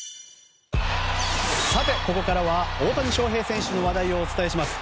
ここからは大谷翔平選手の話題をお伝えします